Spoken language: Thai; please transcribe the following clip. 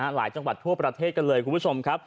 หลายจังหวัดทั่วประเทศกันเลยคุณผู้ชมครับ